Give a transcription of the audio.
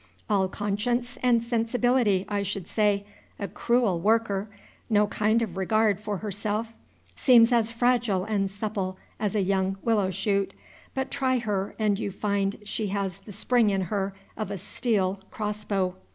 All conscience and sensibility, I should say, a cruel worker, no kind of regard for herself, seems as fragile and supple as a young willow shoot, but try her and you find she has the spring in her of a steel cross bow.